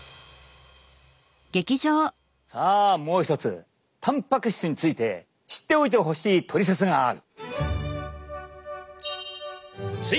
さあもう一つたんぱく質について知っておいてほしいトリセツがある。